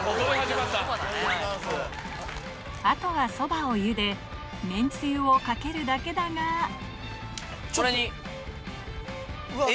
あとはそばをゆでめんつゆをかけるだけだがこれに。